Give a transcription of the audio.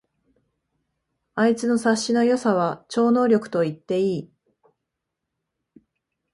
あいつの察しの良さは超能力と言っていい